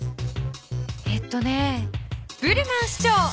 えっとねブルマン市長。